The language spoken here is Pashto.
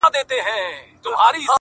ټولوي رزق او روزي له لویو لارو!.